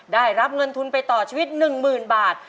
ได้รับเงินทุนไปต่อชีวิต๑๐๐๐บาท